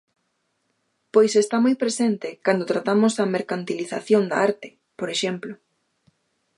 Pois está moi presente cando tratamos a mercantilización da arte, por exemplo.